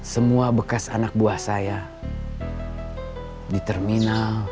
semua bekas anak buah saya di terminal